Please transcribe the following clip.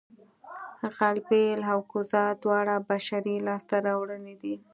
غلبېل او کوزه دواړه بشري لاسته راوړنې دي